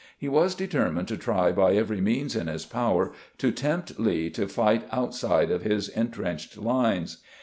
He was determined to try by every means in his power to tempt Lee to fight out side of his intrenched lines.